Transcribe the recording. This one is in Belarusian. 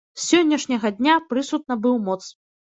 З сённяшняга дня прысуд набыў моц.